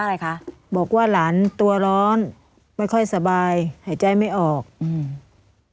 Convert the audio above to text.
อะไรคะบอกว่าหลานตัวร้อนไม่ค่อยสบายหายใจไม่ออกอืม